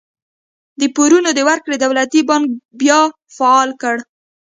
د پورونو د ورکړې دولتي بانک بیا فعال کړ.